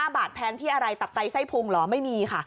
บาทแพงที่อะไรตับไตไส้พุงเหรอไม่มีค่ะ